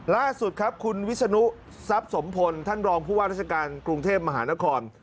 ล่าสุดครับคุณวิศนุทรัพย์สมพลท่านรองผู้ว่าราชการกรุงเทพมหานคร